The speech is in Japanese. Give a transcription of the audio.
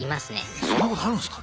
そんなことあるんすか？